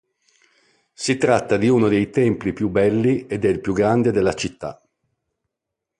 Si tratta di uno dei templi più belli ed il più grande della città.